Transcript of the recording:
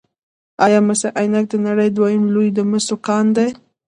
آیا مس عینک د نړۍ دویم لوی د مسو کان دی؟